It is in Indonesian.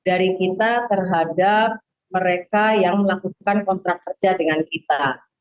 jadi standar operasi itu adalah kontrak rasional dari kita terhadap mereka yang melakukan kontrak kerja dengan kita